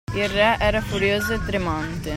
Il re era furioso e tremante.